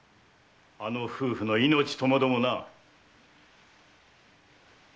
あの夫婦の命ともどもな。